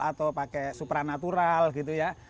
atau pakai supranatural gitu ya